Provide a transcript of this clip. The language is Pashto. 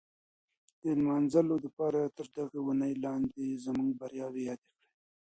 د لمانځلو دپاره تر دغي وني لاندي موږ بریاوې یادې کړې.